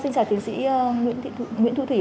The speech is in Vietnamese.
xin chào tiến sĩ nguyễn thu thủy